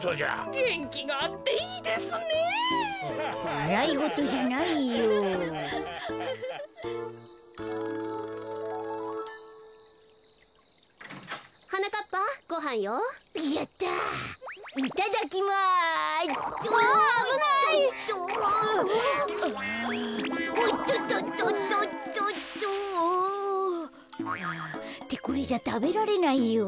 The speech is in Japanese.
あぁってこれじゃたべられないよ。